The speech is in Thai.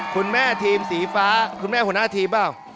คุณแม่ทีมสีฟ้าคุณแม่หัวหน้าทีมเปล่า